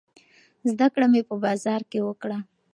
زده کړه مې په بازار کې وکړه.